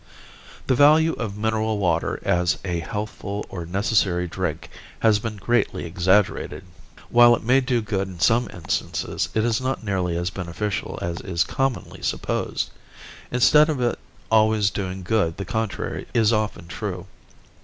The value of mineral water as a healthful or necessary drink has been greatly exaggerated. While it may do good in some instances, it is not nearly as beneficial as is commonly supposed. Instead of it always doing good the contrary is often true.